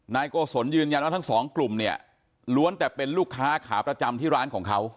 โกศลยืนยันว่าทั้งสองกลุ่มเนี่ยล้วนแต่เป็นลูกค้าขาประจำที่ร้านของเขา